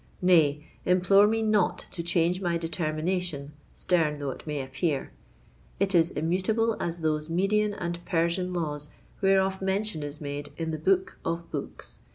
Nay—implore me not to change my determination, stern though it may appear: it is immutable as those Median and Persian laws whereof mention is made in the Book of Books.